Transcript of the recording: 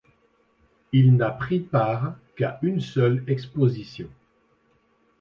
Il n’a pris part qu’à une seule exposition.